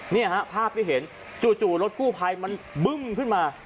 นี่ฮะภาพที่เห็นจู่รถกู้ภัยมันบึ้มขึ้นมา